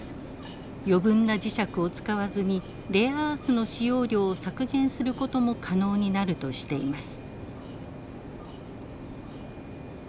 余分な磁石を使わずにレアアースの使用量を削減することも可能になるとしています。